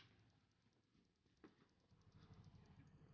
waktu itu hablando sama alma